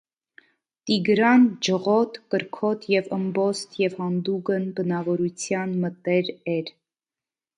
Տիգրան՝ ջղոտ, կրքոտ եւ ըմբոստ եւ յանդուգն բնաւորութեան մը տէր էր։